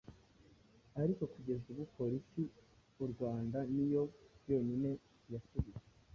ariko kugeza ubu polisi u Rwanda ni yo yonyine yasubije,